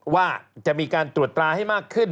ว่าจะมีการตรวจตราให้มากขึ้น